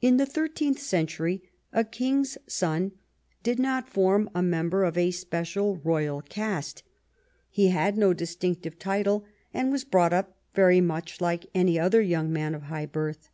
In the thirteenth century a king's son did not form a member of a special royal caste. He had no distinctive title and was brought up very much like any other young man of high birth.